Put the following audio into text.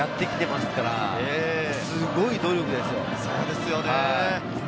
すごい努力ですよ。